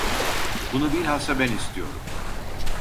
Bunu bilhassa ben istiyorum.